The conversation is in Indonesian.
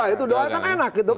itu doa kan enak